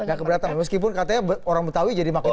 gak keberatan meskipun katanya orang betawi jadi makin